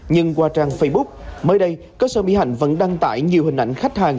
nhưng qua trang facebook mới đây cơ sở mỹ hạnh vẫn đăng tải nhiều hình ảnh khách hàng